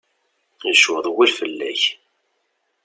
Yecweḍ wul fell-ak.